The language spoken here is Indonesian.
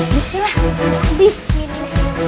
disini lah disini